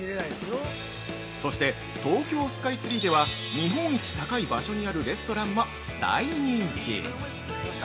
そして東京スカイツリーでは日本一高い場所にあるレストランも大人気。